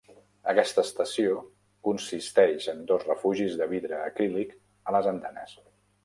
Aquesta estació consisteix en dos refugis de vidre acrílic a les andanes.